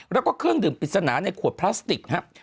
แล้วก็เครื่องดื่มปริศนาในขวดพลาสติกครับ